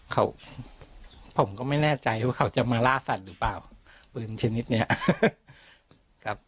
เขาผมก็ไม่แน่ใจว่าเขาจะมาล่าสัตว์หรือเปล่าปืนชนิดเนี้ยครับ